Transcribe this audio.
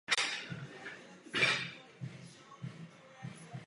Pořadí sestavuje proslulý časopis Forbes obvykle v srpnu a údaje jsou za předchozí rok.